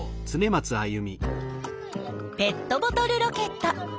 ペットボトルロケット。